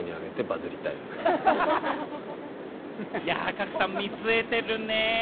賀来さん、見据えてるね。